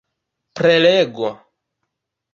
prelego